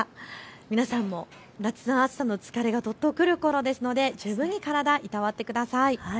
皆さんも夏の暑さの疲れがどっとくるころですので十分に体をいたわってください。